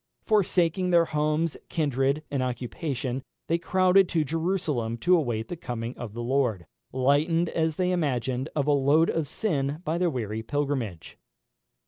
Forsaking their homes, kindred, and occupation, they crowded to Jerusalem to await the coming of the Lord, lightened, as they imagined, of a load of sin by their weary pilgrimage.